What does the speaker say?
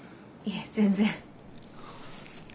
いえ全然。